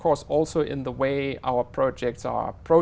rất vui khi nghe được điều đó